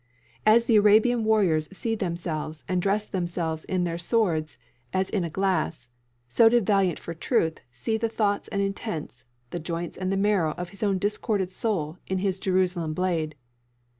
As the Arabian warriors see themselves and dress themselves in their swords as in a glass, so did Valiant for truth see the thoughts and intents, the joints and the marrow of his own disordered soul in his Jerusalem blade.